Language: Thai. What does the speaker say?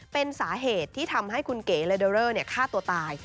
เป็นสาเหตุที่ทำให้คุณเก๋เลเดอเรอร์ฆ่าตัวตาย